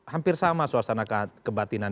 hampir sama suasana kebatinan